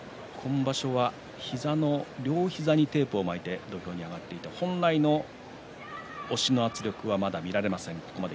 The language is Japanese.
今場所は両膝にテープを巻いて土俵に上がって本来の押しの圧力はまだ見られません。